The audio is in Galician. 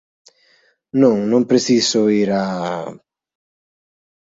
Non, non preciso ir a...